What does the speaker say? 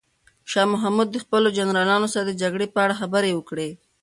شاه محمود د خپلو جنرالانو سره د جګړې په اړه خبرې وکړې.